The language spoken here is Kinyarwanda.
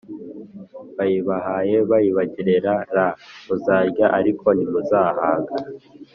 bayibahe bayibagerera r muzarya ariko ntimuzahaga